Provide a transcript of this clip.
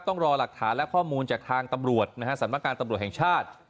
ต้องรอหลักฐานและข้อมูลจากทางตำรวจนะฮะสำนักงานตำรวจแห่งชาติ